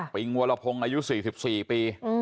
ิงวรพงศ์อายุ๔๔ปี